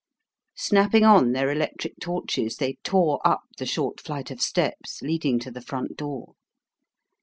Snapping on their electric torches they tore up the short flight of steps leading to the front door.